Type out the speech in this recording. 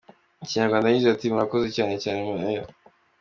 Mu Kinyarwanda yagize ati” Murakoze cyane cyane Mayor.